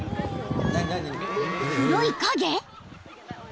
［黒い影？］